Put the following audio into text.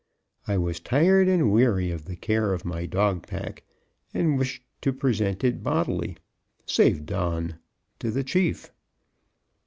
I was tired and weary of the care of my dog pack, and wished to present it bodly, save Don, to the Chief.